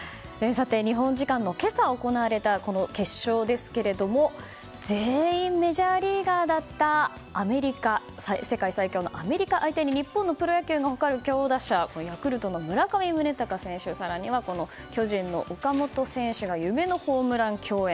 日本時間の今朝行われた決勝ですが全員メジャーリーガーだった世界最強のアメリカ相手に日本のプロ野球が誇る強打者ヤクルトの村上宗隆選手更には巨人の岡本選手が夢のホームラン共演。